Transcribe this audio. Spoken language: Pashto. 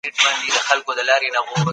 د بدمرغیو پیل له فکري بې غورۍ څخه وسو.